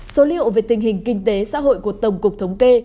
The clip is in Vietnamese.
số liệu về tình hình kinh tế xã hội của tổng cục thống kê